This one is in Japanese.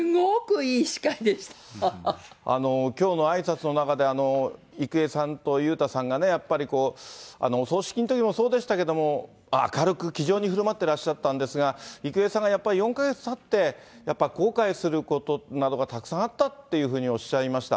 きょうのあいさつの中で、郁恵さんと裕太さんがね、やっぱりお葬式のときもそうでしたけれども、明るく気丈にふるまってらっしゃったんですが、郁恵さんがやっぱり４か月たって、やっぱり後悔することなどがたくさんあったっていうふうにおっしゃいました。